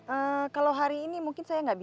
eee kalau hari ini mungkin saya bisa beli bu